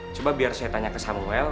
coba biar saya tanya ke samuel